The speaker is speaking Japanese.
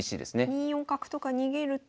２四角とか逃げると。